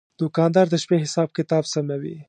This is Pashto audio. دوکاندار د شپې حساب کتاب سموي.